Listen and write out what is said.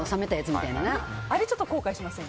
あれ、ちょっと後悔しませんか。